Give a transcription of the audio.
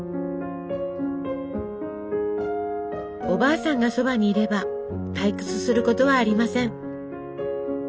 おばあさんがそばにいれば退屈することはありません。